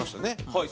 はい。